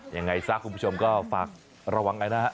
ยังไงซะคุณผู้ชมก็ฝากระวังกันนะฮะ